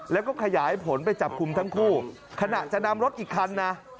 แล้วก็ขยายผลไปจับกลุ่มทั้งคู่ขณะจะนำรถอีกคันนะ